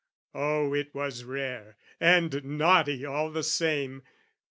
Oh it was rare, and naughty all the same!